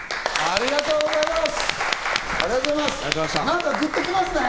ありがとうございます！